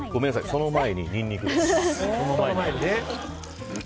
その前にニンニクです。